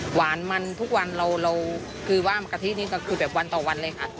หวานมันทุกวันเราคือว่ากะทินี่ก็คือแบบวันต่อวันเลยค่ะ